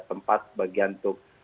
tempat bagian untuk